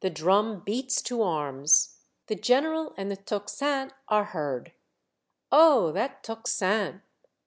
drum beats to arms ; the general and the tocsin are heard. Oh ! that tocsin.